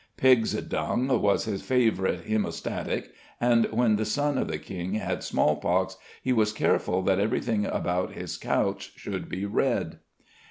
Pigs' dung was his favourite hæmostatic; and when the son of the King had small pox, he was careful that everything about his couch should be red.